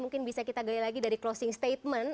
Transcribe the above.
mungkin bisa kita gali lagi dari closing statement